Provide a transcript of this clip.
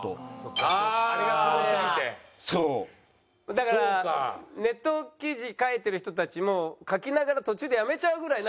だからネット記事書いてる人たちも書きながら途中でやめちゃうぐらい。